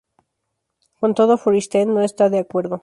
Con todo Forsyth no está de acuerdo.